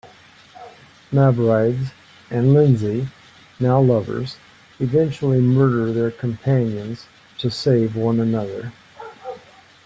Mavrides and Lindsay, now lovers, eventually murder their companions to save one another.